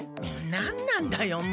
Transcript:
何なんだよ